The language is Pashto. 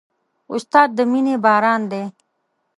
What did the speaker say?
استاد د مینې باران دی.